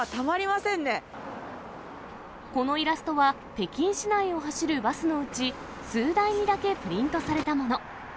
このイラストは、北京市内を走るバスのうち、数台にだけプリントされたもの。